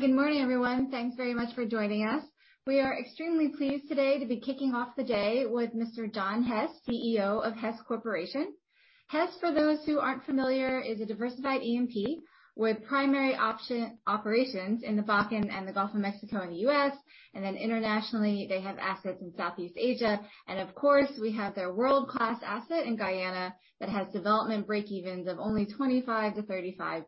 Hi. Good morning, everyone. Thanks very much for joining us. We are extremely pleased today to be kicking off the day with Mr. John Hess, CEO of Hess Corporation. Hess, for those who aren't familiar, is a diversified E&P with primary operations in the Bakken and the Gulf of Mexico in the U.S., then internationally, they have assets in Southeast Asia. Of course, we have their world-class asset in Guyana that has development breakevens of only 25-35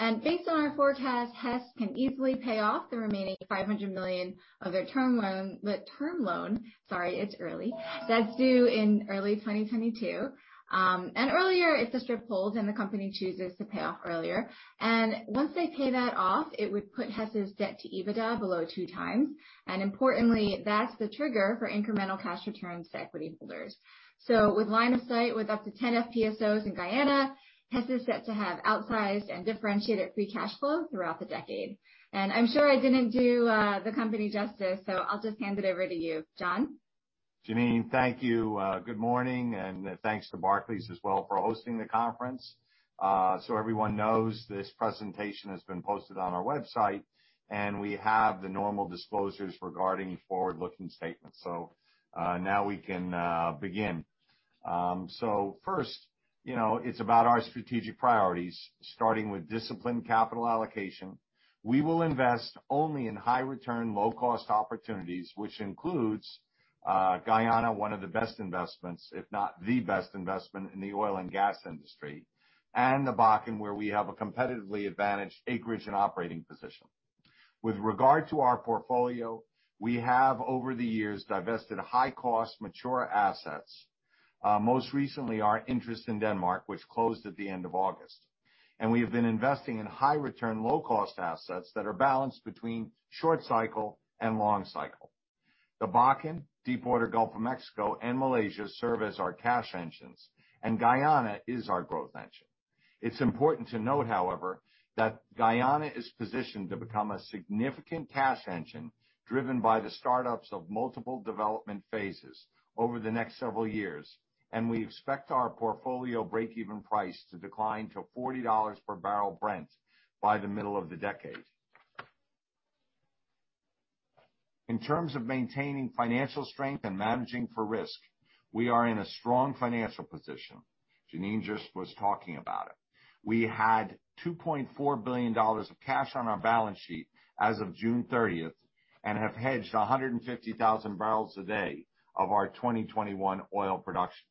Brent. Based on our forecast, Hess can easily pay off the remaining $500 million of their term loan, sorry, it's early, that's due in early 2022. Earlier, if the strip holds and the company chooses to pay off earlier. Once they pay that off, it would put Hess's debt to EBITDA below 2x. Importantly, that's the trigger for incremental cash returns to equity holders. With line of sight, with up to 10 FPSOs in Guyana, Hess is set to have outsized and differentiated free cash flow throughout the decade. I'm sure I didn't do the company justice, so I'll just hand it over to you, John. John Hess, thank you. Good morning, thanks to Barclays as well for hosting the conference. Everyone knows this presentation has been posted on our website, and we have the normal disclosures regarding forward-looking statements. Now we can begin. First, it's about our strategic priorities, starting with disciplined capital allocation. We will invest only in high-return, low-cost opportunities, which includes Guyana, one of the best investments, if not the best investment in the oil and gas industry. The Bakken, where we have a competitively advantaged acreage and operating position. With regard to our portfolio, we have over the years divested high-cost mature assets. Most recently, our interest in Denmark, which closed at the end of August. We have been investing in high-return, low-cost assets that are balanced between short cycle and long cycle. The Bakken, Deepwater Gulf of Mexico, and Malaysia serve as our cash engines, and Guyana is our growth engine. It's important to note, however, that Guyana is positioned to become a significant cash engine driven by the startups of multiple development phases over the next several years, and we expect our portfolio breakeven price to decline to $40 per bbl Brent by the middle of the decade. In terms of maintaining financial strength and managing for risk, we are in a strong financial position. John B. Hess just was talking about it. We had $2.4 billion of cash on our balance sheet as of June 30, and have hedged 150,000 bbl a day of our 2021 oil production.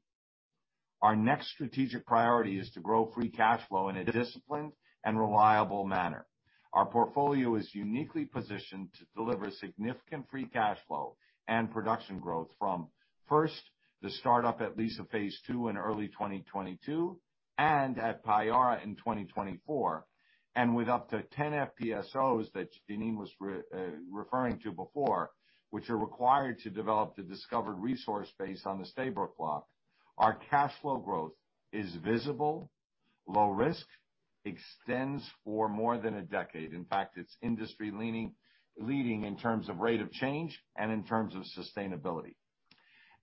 Our next strategic priority is to grow free cash flow in a disciplined and reliable manner. Our portfolio is uniquely positioned to deliver significant free cash flow and production growth from, first, the startup at Liza phase II in early 2022, and at Payara in 2024. With up to 10 FPSOs that John Hess was referring to before, which are required to develop the discovered resource base on the Stabroek Block, our cash flow growth is visible, low risk, extends for more than a decade. In fact, it's industry-leading in terms of rate of change and in terms of sustainability.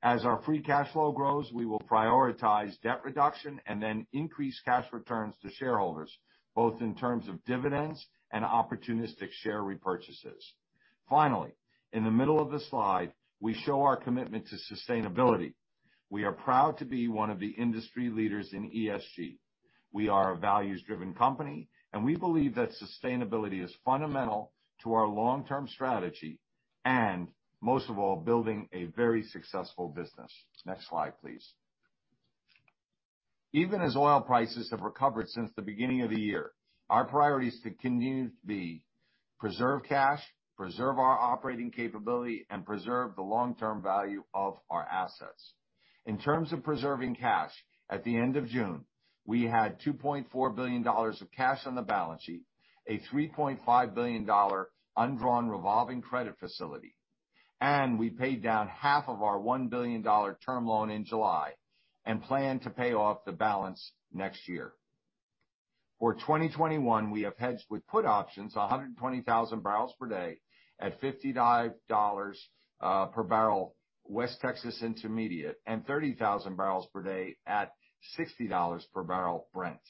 As our free cash flow grows, we will prioritize debt reduction and then increase cash returns to shareholders, both in terms of dividends and opportunistic share repurchases. Finally, in the middle of the slide, we show our commitment to sustainability. We are proud to be one of the industry leaders in ESG. We are a values-driven company. We believe that sustainability is fundamental to our long-term strategy, and most of all, building a very successful business. Next slide, please. Even as oil prices have recovered since the beginning of the year, our priorities continue to be preserve cash, preserve our operating capability, and preserve the long-term value of our assets. In terms of preserving cash, at the end of June, we had $2.4 billion of cash on the balance sheet, a $3.5 billion undrawn revolving credit facility, and we paid down half of our $1 billion term loan in July and plan to pay off the balance next year. For 2021, we have hedged with put options 120,000 bbl at $59 per bbl West Texas Intermediate and 30,000 bpd at $60 per bbl Brent.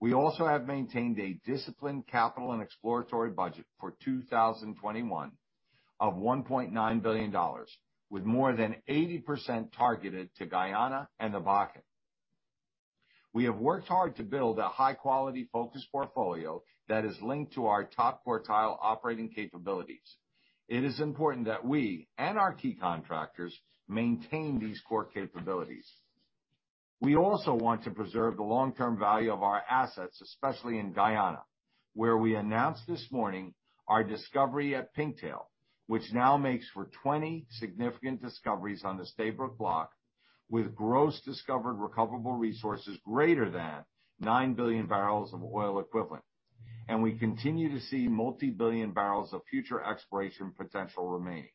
We also have maintained a disciplined capital and exploratory budget for 2021 of $1.9 billion, with more than 80% targeted to Guyana and the Bakken. We have worked hard to build a high-quality focused portfolio that is linked to our top quartile operating capabilities. It is important that we and our key contractors maintain these core capabilities. We also want to preserve the long-term value of our assets, especially in Guyana, where we announced this morning our discovery at Pinktail, which now makes for 20 significant discoveries on the Stabroek Block, with gross discovered recoverable resources greater than 9 billion bbl of oil equivalent. We continue to see multi-billion bbl of future exploration potential remaining.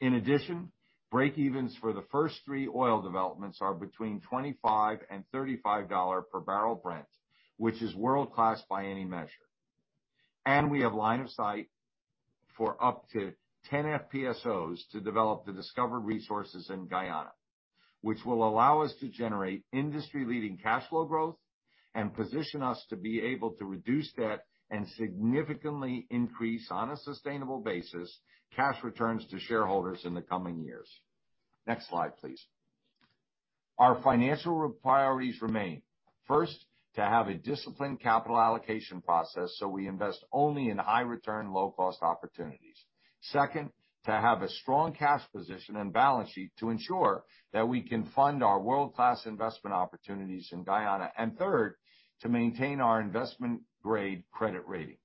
In addition, breakevens for the first three oil developments are between $25 and $35 per bbl Brent, which is world-class by any measure. We have line of sight for up to 10 FPSOs to develop the discovered resources in Guyana, which will allow us to generate industry-leading cash flow growth and position us to be able to reduce debt and significantly increase, on a sustainable basis, cash returns to shareholders in the coming years. Next slide, please. Our financial priorities remain. First, to have a disciplined capital allocation process so we invest only in high return, low cost opportunities. Second, to have a strong cash position and balance sheet to ensure that we can fund our world-class investment opportunities in Guyana. Third, to maintain our investment-grade credit rating.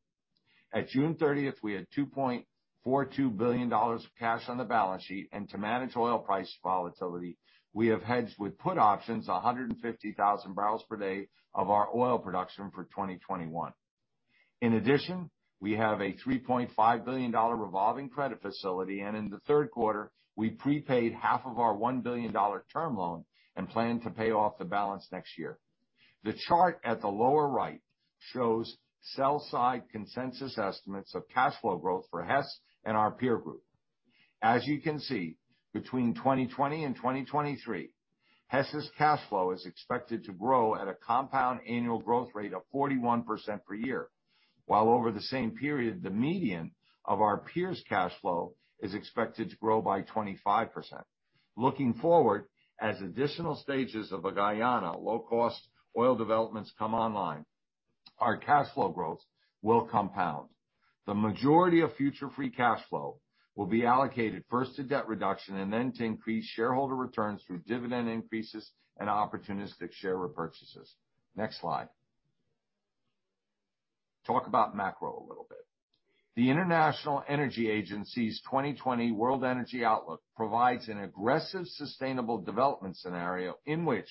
At June 30th, we had $2.42 billion of cash on the balance sheet. To manage oil price volatility, we have hedged with put options 150,000 bpd of our oil production for 2021. In addition, we have a $3.5 billion revolving credit facility, and in the third quarter, we prepaid half of our $1 billion term loan and plan to pay off the balance next year. The chart at the lower right shows sell-side consensus estimates of cash flow growth for Hess and our peer group. As you can see, between 2020 and 2023, Hess's cash flow is expected to grow at a compound annual growth rate of 41% per year, while over the same period, the median of our peers' cash flow is expected to grow by 25%. Looking forward, as additional stages of Guyana low-cost oil developments come online, our cash flow growth will compound. The majority of future free cash flow will be allocated first to debt reduction and then to increase shareholder returns through dividend increases and opportunistic share repurchases. Next slide. Talk about macro a little bit. The International Energy Agency's 2020 World Energy Outlook provides an aggressive sustainable development scenario in which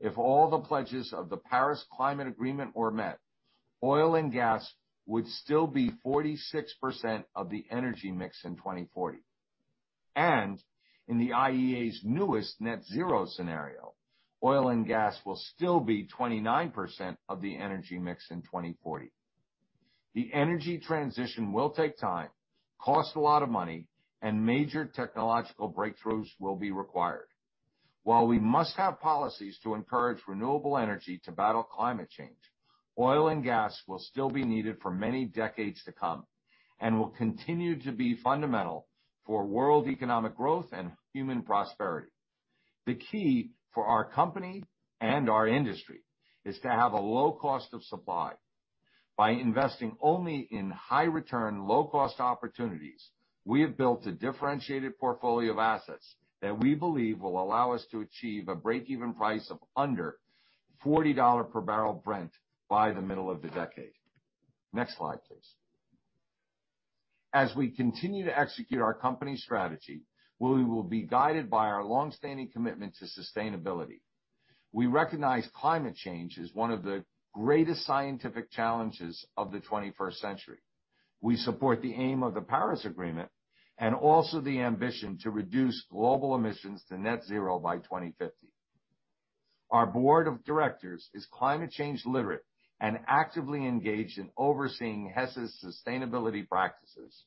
if all the pledges of the Paris Agreement were met, oil and gas would still be 46% of the energy mix in 2040. In the IEA's newest net zero scenario, oil and gas will still be 29% of the energy mix in 2040. The energy transition will take time, cost a lot of money, and major technological breakthroughs will be required. While we must have policies to encourage renewable energy to battle climate change, oil and gas will still be needed for many decades to come and will continue to be fundamental for world economic growth and human prosperity. The key for our company and our industry is to have a low cost of supply. By investing only in high return, low cost opportunities, we have built a differentiated portfolio of assets that we believe will allow us to achieve a break-even price of under $40 per bbl Brent by the middle of the decade. Next slide, please. As we continue to execute our company strategy, we will be guided by our longstanding commitment to sustainability. We recognize climate change as one of the greatest scientific challenges of the 21st century. We support the aim of the Paris Agreement and also the ambition to reduce global emissions to net zero by 2050. Our board of directors is climate change literate and actively engaged in overseeing Hess's sustainability practices.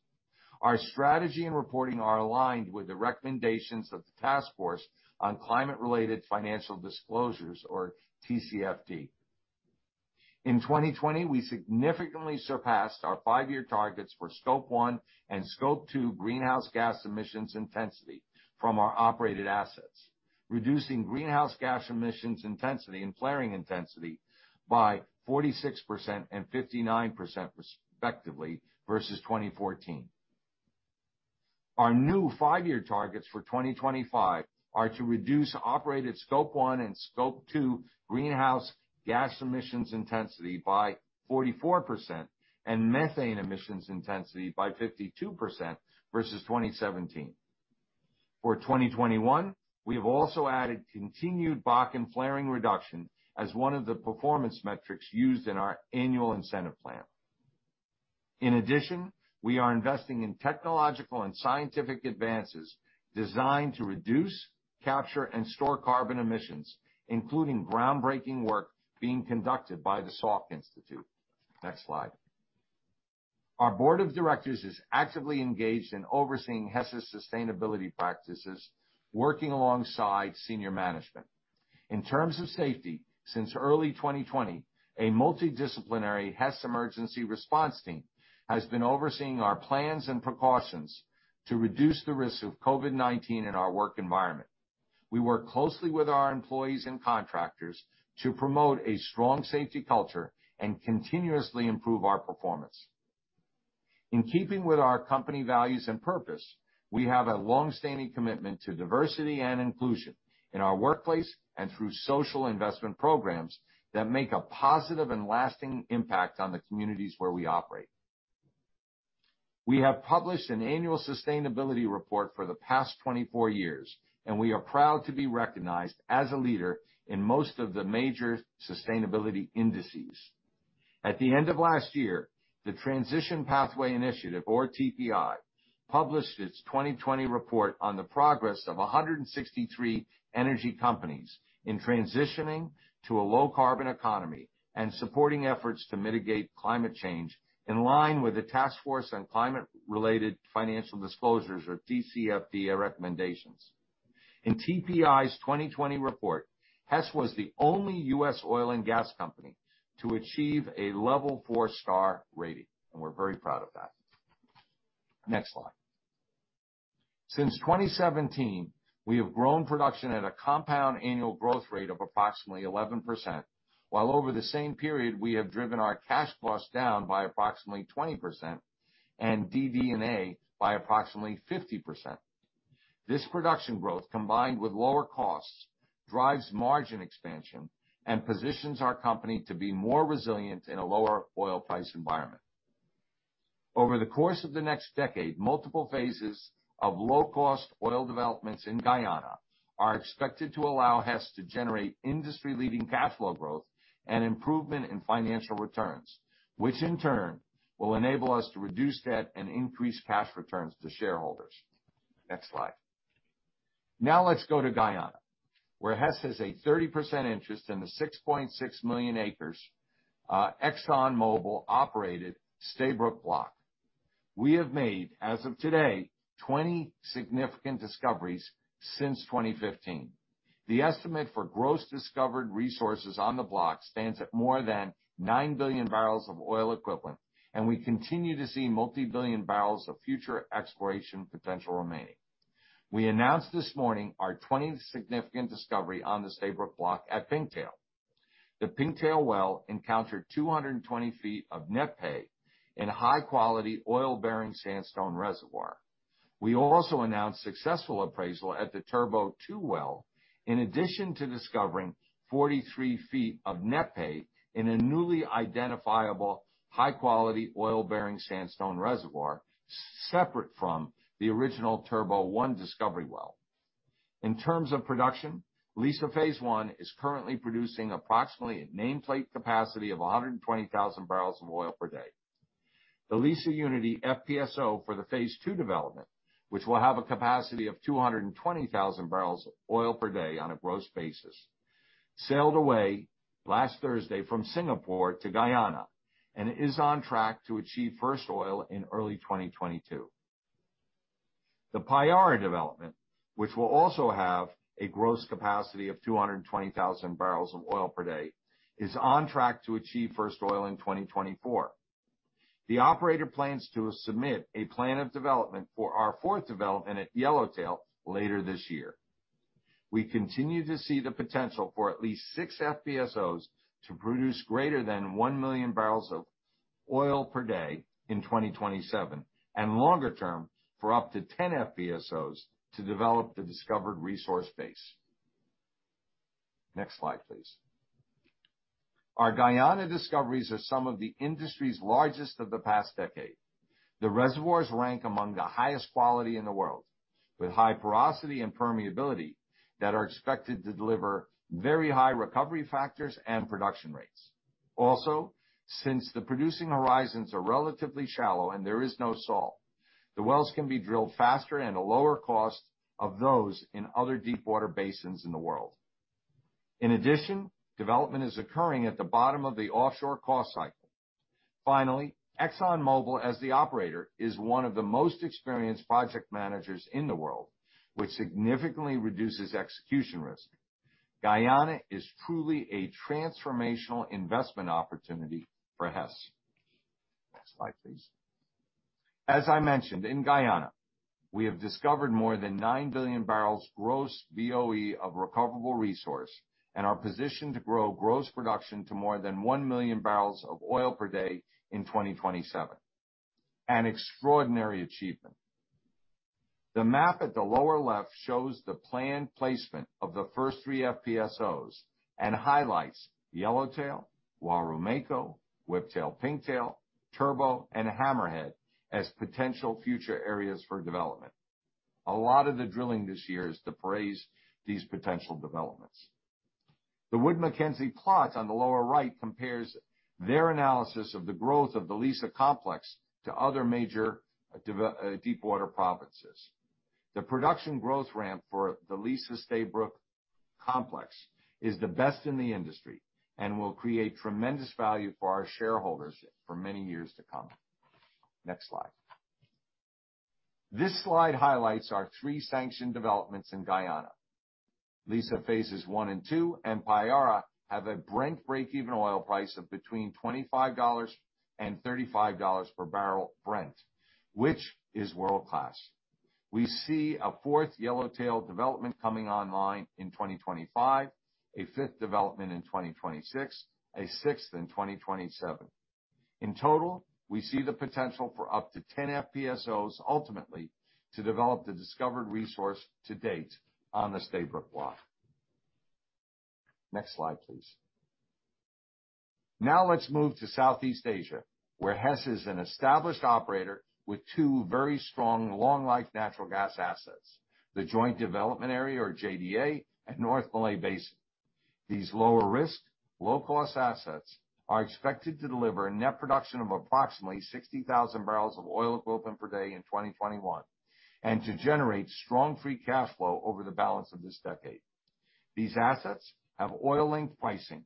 Our strategy and reporting are aligned with the recommendations of the Task Force on Climate-related Financial Disclosures, or TCFD. In 2020, we significantly surpassed our five-year targets for Scope 1 and Scope 2 greenhouse gas emissions intensity from our operated assets, reducing greenhouse gas emissions intensity and flaring intensity by 46% and 59%, respectively, versus 2014. Our new five-year targets for 2025 are to reduce operated Scope 1 and Scope 2 greenhouse gas emissions intensity by 44% and methane emissions intensity by 52% versus 2017. For 2021, we have also added continued Bakken flaring reduction as one of the performance metrics used in our annual incentive plan. In addition, we are investing in technological and scientific advances designed to reduce, capture, and store carbon emissions, including groundbreaking work being conducted by the Salk Institute. Next slide. Our board of directors is actively engaged in overseeing Hess's sustainability practices, working alongside senior management. In terms of safety, since early 2020, a multidisciplinary Hess emergency response team has been overseeing our plans and precautions to reduce the risk of COVID-19 in our work environment. We work closely with our employees and contractors to promote a strong safety culture and continuously improve our performance. In keeping with our company values and purpose, we have a longstanding commitment to diversity and inclusion in our workplace and through social investment programs that make a positive and lasting impact on the communities where we operate. We have published an annual sustainability report for the past 24 years, and we are proud to be recognized as a leader in most of the major sustainability indices. At the end of last year, the Transition Pathway Initiative, or TPI published its 2020 report on the progress of 163 energy companies in transitioning to a low carbon economy and supporting efforts to mitigate climate change in line with the Task Force on Climate-related Financial Disclosures or TCFD recommendations. In TPI's 2020 report, Hess was the only U.S. oil and gas company to achieve a level 4 star rating, and we're very proud of that. Next slide. Since 2017, we have grown production at a compound annual growth rate of approximately 11%, while over the same period, we have driven our cash costs down by approximately 20%, and DD&A by approximately 50%. This production growth, combined with lower costs, drives margin expansion and positions our company to be more resilient in a lower oil price environment. Over the course of the next decade, multiple phases of low-cost oil developments in Guyana are expected to allow Hess to generate industry-leading cash flow growth and improvement in financial returns, which in turn will enable us to reduce debt and increase cash returns to shareholders. Next slide. Let's go to Guyana, where Hess has a 30% interest in the 6.6 million acres ExxonMobil-operated Stabroek Block. We have made, as of today, 20 significant discoveries since 2015. The estimate for gross discovered resources on the block stands at more than 9 billion bbl of oil equivalent. We continue to see multi-billion barrels of future exploration potential remaining. We announced this morning our 20th significant discovery on the Stabroek Block at Pinktail. The Pinktail well encountered 220 feet of net pay in a high-quality oil-bearing sandstone reservoir. We also announced successful appraisal at the Turbo-2 well, in addition to discovering 43 feet of net pay in a newly identifiable high-quality oil-bearing sandstone reservoir, separate from the original Turbo-1 discovery well. In terms of production, Liza Phase 1 is currently producing approximately at nameplate capacity of 120,000 bbl of oil per day. The Liza Unity FPSO for the phase II development, which will have a capacity of 220,000 bbl of oil per day on a gross basis, sailed away last Thursday from Singapore to Guyana and is on track to achieve first oil in early 2022. The Payara development, which will also have a gross capacity of 220,000 bbl of oil per day, is on track to achieve first oil in 2024. The operator plans to submit a plan of development for our fourth development at Yellowtail later this year. We continue to see the potential for at least six FPSOs to produce greater than 1 million bbl of oil per day in 2027, and longer term, for up to 10 FPSOs to develop the discovered resource base. Next slide, please. Our Guyana discoveries are some of the industry's largest of the past decade. The reservoirs rank among the highest quality in the world, with high porosity and permeability that are expected to deliver very high recovery factors and production rates. Also, since the producing horizons are relatively shallow and there is no salt, the wells can be drilled faster and a lower cost of those in other deepwater basins in the world. In addition, development is occurring at the bottom of the offshore cost cycle. Finally, ExxonMobil, as the operator, is one of the most experienced project managers in the world, which significantly reduces execution risk. Guyana is truly a transformational investment opportunity for Hess. Next slide, please. As I mentioned, in Guyana, we have discovered more than 9 billion bbl gross BOE of recoverable resource and are positioned to grow gross production to more than 1 million bbl of oil per day in 2027. An extraordinary achievement. The map at the lower left shows the planned placement of the first three FPSOs and highlights Yellowtail, Uaru-Mako, Whiptail, Pinktail, Turbo, and Hammerhead as potential future areas for development. A lot of the drilling this year is to appraise these potential developments. The Wood Mackenzie plot on the lower right compares their analysis of the growth of the Liza complex to other major deepwater provinces. The production growth ramp for the Liza-Stabroek complex is the best in the industry and will create tremendous value for our shareholders for many years to come. Next slide. This slide highlights our three sanctioned developments in Guyana. Liza phases I and II and Payara have a Brent break-even oil price of between $25 and $35 per bbl Brent, which is world-class. We see a fourth Yellowtail development coming online in 2025, a fifth development in 2026, a 6th in 2027. In total, we see the potential for up to 10 FPSOs ultimately to develop the discovered resource to date on the Stabroek Block. Next slide, please. Now let's move to Southeast Asia, where Hess is an established operator with two very strong long-life natural gas assets, the Joint Development Area, or JDA, at North Malay Basin. These lower risk, low cost assets are expected to deliver a net production of approximately 60,000 bbl of oil equivalent per day in 2021, and to generate strong free cash flow over the balance of this decade. These assets have oil linked pricing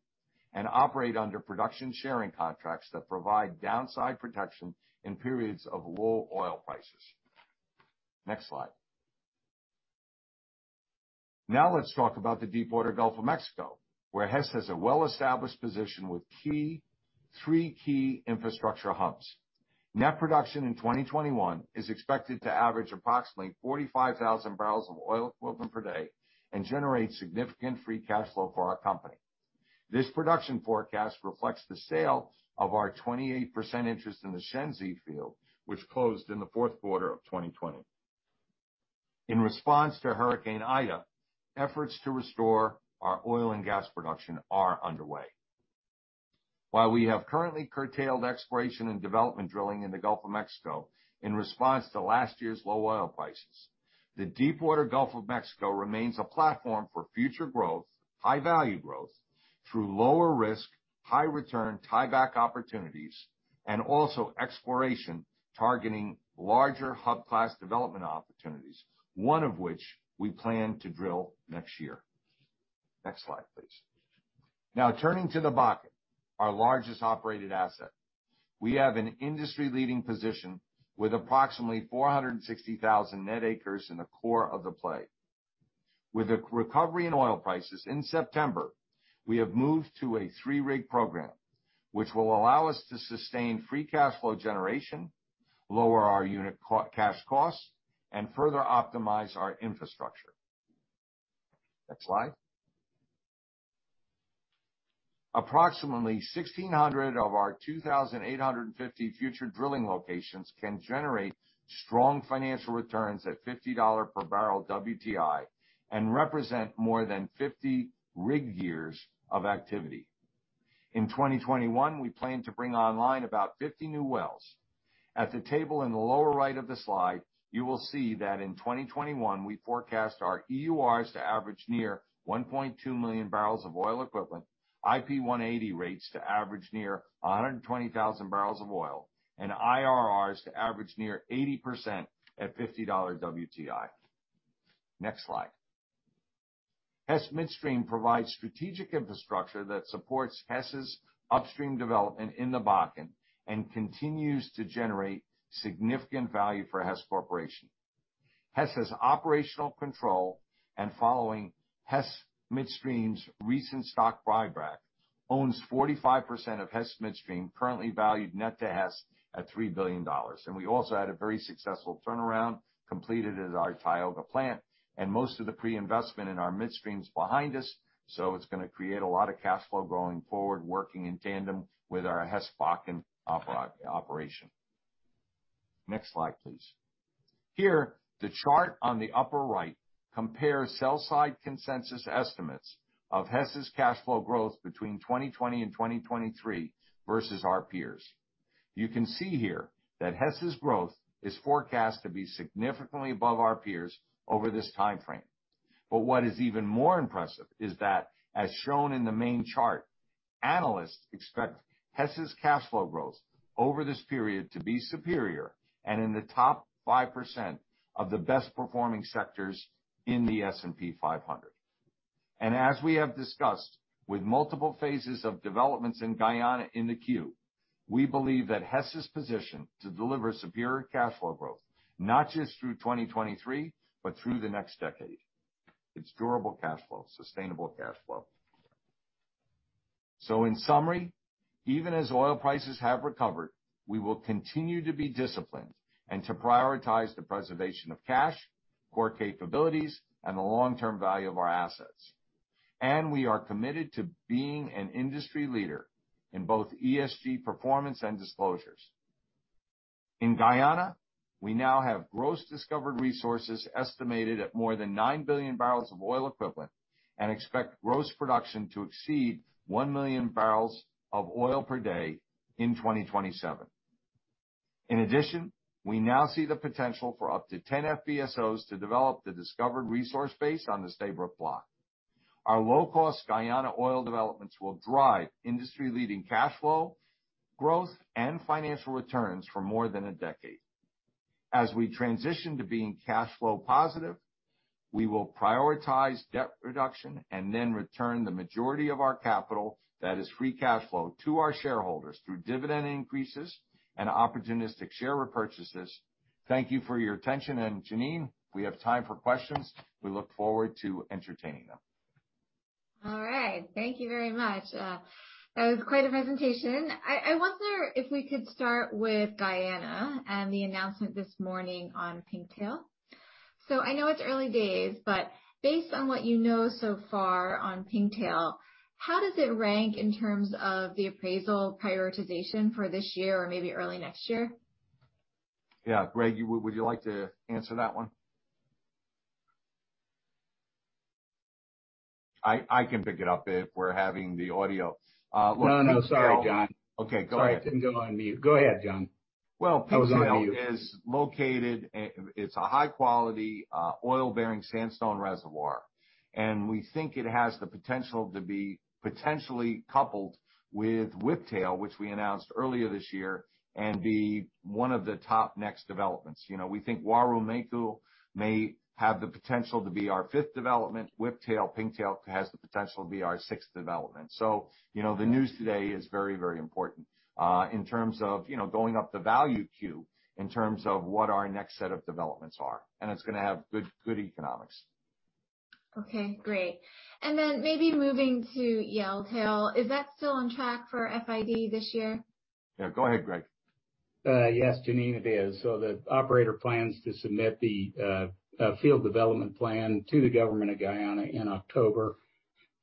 and operate under production sharing contracts that provide downside protection in periods of low oil prices. Next slide. Now let's talk about the Deepwater Gulf of Mexico, where Hess has a well-established position with three key infrastructure hubs. Net production in 2021 is expected to average approximately 45,000 bbl of oil equivalent per day and generate significant free cash flow for our company. This production forecast reflects the sale of our 28% interest in the Shenzi field, which closed in the fourth quarter of 2020. In response to Hurricane Ida, efforts to restore our oil and gas production are underway. While we have currently curtailed exploration and development drilling in the Gulf of Mexico in response to last year's low oil prices, the Deepwater Gulf of Mexico remains a platform for future growth, high value growth, through lower risk, high return tieback opportunities, and also exploration targeting larger hub class development opportunities, one of which we plan to drill next year. Next slide, please. Turning to the Bakken, our largest operated asset. We have an industry leading position with approximately 460,000 net acres in the core of the play. With a recovery in oil prices in September, we have moved to a three-rig program, which will allow us to sustain free cash flow generation, lower our unit cash costs, and further optimize our infrastructure. Next slide. Approximately 1,600 of our 2,850 future drilling locations can generate strong financial returns at $50 per bbl WTI and represent more than 50 rig years of activity. In 2021, we plan to bring online about 50 new wells. At the table in the lower right of the slide, you will see that in 2021, we forecast our EURs to average near 1.2 million bbl of oil equivalent, IP 180 rates to average near 120,000 bbl of oil, and IRRs to average near 80% at $50 WTI. Next slide. Hess Midstream provides strategic infrastructure that supports Hess' upstream development in the Bakken and continues to generate significant value for Hess Corporation. Hess has operational control and following Hess Midstream's recent stock buyback, owns 45% of Hess Midstream, currently valued net to Hess at $3 billion. We also had a very successful turnaround completed at our Tioga plant, and most of the pre-investment in our Midstream's behind us, so it's going to create a lot of cash flow going forward, working in tandem with our Hess Bakken operation. Next slide, please. Here, the chart on the upper right compares sell side consensus estimates of Hess's cash flow growth between 2020 and 2023 versus our peers. You can see here that Hess's growth is forecast to be significantly above our peers over this timeframe. What is even more impressive is that, as shown in the main chart, analysts expect Hess's cash flow growth over this period to be superior and in the top 5% of the best performing sectors in the S&P 500. As we have discussed with multiple phases of developments in Guyana in the queue, we believe that Hess is positioned to deliver superior cash flow growth, not just through 2023, but through the next decade. It's durable cash flow, sustainable cash flow. In summary, even as oil prices have recovered, we will continue to be disciplined and to prioritize the preservation of cash, core capabilities, and the long-term value of our assets. We are committed to being an industry leader in both ESG performance and disclosures. In Guyana, we now have gross discovered resources estimated at more than 9 billion bbl of oil equivalent and expect gross production to exceed 1 million bbl of oil per day in 2027. In addition, we now see the potential for up to 10 FPSOs to develop the discovered resource base on the Stabroek Block. Our low-cost Guyana oil developments will drive industry-leading cash flow, growth, and financial returns for more than a decade. As we transition to being cash flow positive, we will prioritize debt reduction and then return the majority of our capital, that is free cash flow, to our shareholders through dividend increases and opportunistic share repurchases. Thank you for your attention. John Hess, we have time for questions. We look forward to entertaining them. All right. Thank you very much. That was quite a presentation. I wonder if we could start with Guyana and the announcement this morning on Tripletail. I know it's early days, but based on what you know so far on Tripletail, how does it rank in terms of the appraisal prioritization for this year or maybe early next year? Yeah. Greg, would you like to answer that one? I can pick it up if we're having the audio. No, sorry, John. Okay, go ahead. Sorry, I didn't go on mute. Go ahead, John. Well, Pinktail is a high-quality oil-bearing sandstone reservoir, and we think it has the potential to be potentially coupled with Whiptail, which we announced earlier this year, and be one of the top next developments. We think Uaru-Mako may have the potential to be our fifth development. Whiptail, Pinktail has the potential to be our sixth development. The news today is very important in terms of going up the value queue in terms of what our next set of developments are. It's going to have good economics. Okay, great. Maybe moving to Yellowtail, is that still on track for FID this year? Yeah. Go ahead, Greg. Yes, John Hess, it is. The operator plans to submit the field development plan to the government of Guyana in October,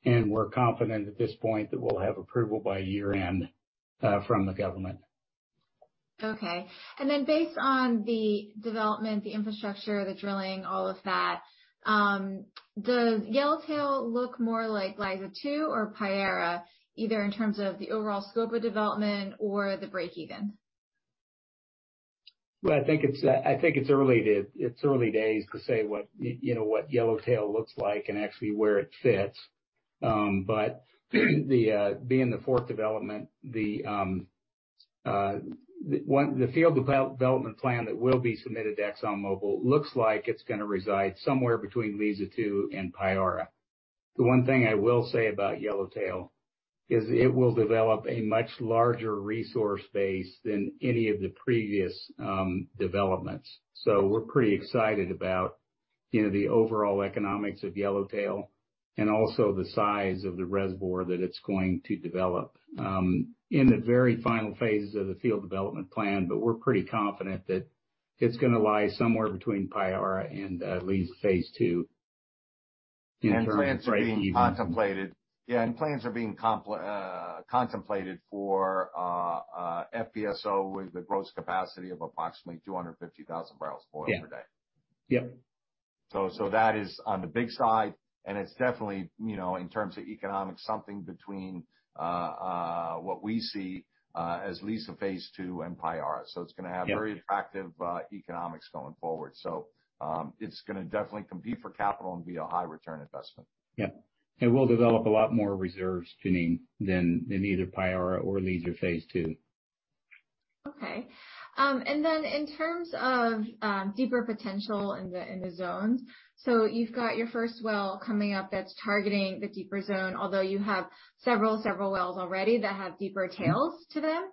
and we're confident at this point that we'll have approval by year-end from the government. Okay. Based on the development, the infrastructure, the drilling, all of that, does Yellowtail look more like Liza-2 or Payara, either in terms of the overall scope of development or the break even? I think it's early days to say what Yellowtail looks like and actually where it fits. Being the fourth development, the field development plan that will be submitted to ExxonMobil looks like it's going to reside somewhere between Liza-2 and Payara. The one thing I will say about Yellowtail is it will develop a much larger resource base than any of the previous developments. We're pretty excited about the overall economics of Yellowtail and also the size of the reservoir that it's going to develop. In the very final phases of the field development plan, but we're pretty confident that it's going to lie somewhere between Payara and Liza phase II in terms of break even. Yeah, plans are being contemplated for FPSO with a gross capacity of approximately 250,000 bbl of oil per day. Yep. That is on the big side, and it's definitely, in terms of economics, something between what we see as Liza phase II and Payara. Yep very attractive economics going forward. It's going to definitely compete for capital and be a high return investment. Yep. It will develop a lot more reserves, John B. Hess, than either Payara or Liza phase II. Okay. In terms of deeper potential in the zones, you've got your first well coming up that's targeting the deeper zone, although you have several wells already that have deeper tails to them.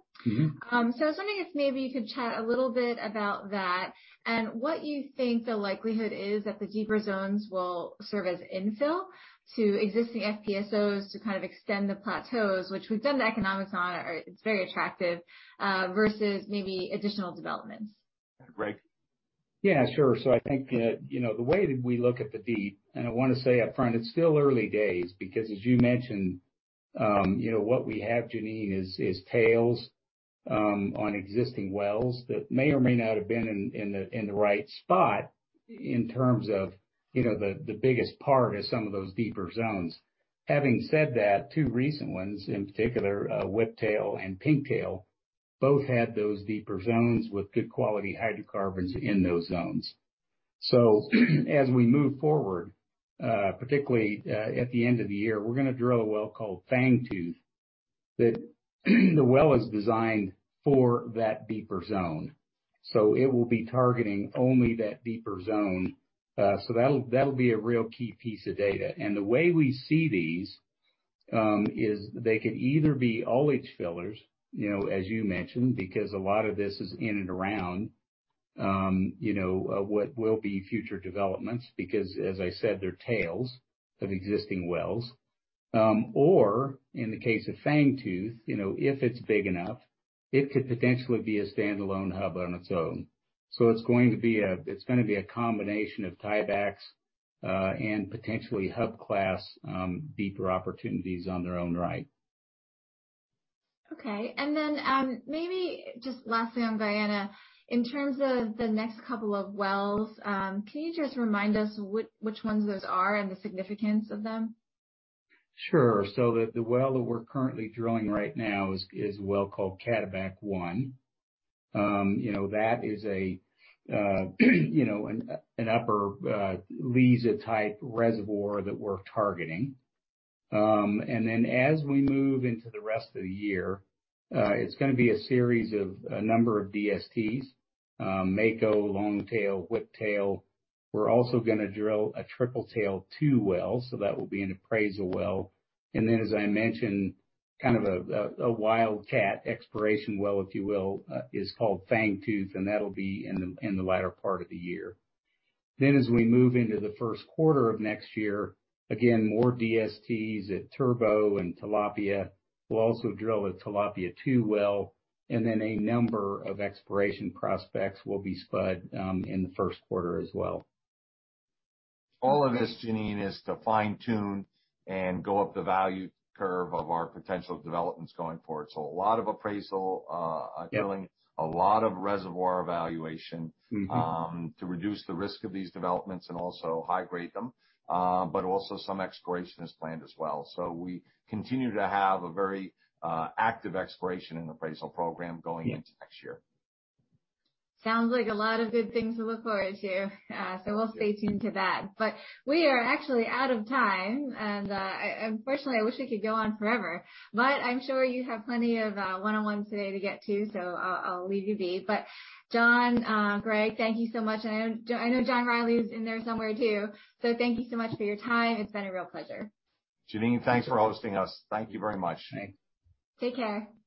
I was wondering if maybe you could chat a little bit about that and what you think the likelihood is that the deeper zones will serve as infill to existing FPSOs to kind of extend the plateaus, which we've done the economics on, it's very attractive, versus maybe additional developments. Greg. Yeah, sure. I think that the way that we look at the deep, and I want to say up front, it's still early days because as you mentioned, what we have, John Hess, is tails on existing wells that may or may not have been in the right spot in terms of the biggest part is some of those deeper zones. Having said that, two recent ones, in particular, Whiptail and Pinktail, both had those deeper zones with good quality hydrocarbons in those zones. As we move forward, particularly at the end of the year, we're going to drill a well called Fangtooth, that the well is designed for that deeper zone. It will be targeting only that deeper zone. That'll be a real key piece of data. The way we see these, is they could either be all each fillers, as you mentioned, because a lot of this is in and around what will be future developments because, as I said, they're tails of existing wells. In the case of Fangtooth, if it's big enough, it could potentially be a standalone hub on its own. It's going to be a combination of tiebacks, and potentially hub class deeper opportunities on their own right. Okay, maybe just last thing on Guyana. In terms of the next couple of wells, can you just remind us which ones those are and the significance of them? Sure. The well that we're currently drilling right now is a well called Cataback-1. That is an upper Liza-type reservoir that we're targeting. As we move into the rest of the year, it's going to be a series of a number of DSTs, Mako, Longtail, Whiptail. We're also going to drill a Tripletail-2 well, so that will be an appraisal well. As I mentioned, kind of a wildcat exploration well, if you will, is called Fangtooth, and that'll be in the latter part of the year. As we move into the first quarter of next year, again, more DSTs at Turbo and Tilapia. We'll also drill a Tilapia-2 well, and then a number of exploration prospects will be spudded in the first quarter as well. All of this, John Hess, is to fine-tune and go up the value curve of our potential developments going forward. A lot of appraisal drilling. Yep. A lot of reservoir evaluation. To reduce the risk of these developments and also high-grade them. Also some exploration is planned as well. We continue to have a very active exploration and appraisal program going into next year. Sounds like a lot of good things to look forward to. We'll stay tuned to that. We are actually out of time, and unfortunately, I wish we could go on forever. I'm sure you have plenty of one-on-ones today to get to, so I'll leave you be. John, Greg, thank you so much. I know John Rielly was in there somewhere too. Thank you so much for your time. It's been a real pleasure. John Hess, thanks for hosting us. Thank you very much. Thanks. Take care.